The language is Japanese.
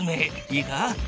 いいか。